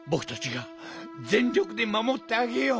がぜんりょくでまもってあげよう！